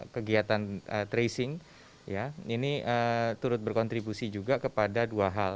kegiatan tracing ini turut berkontribusi juga kepada dua hal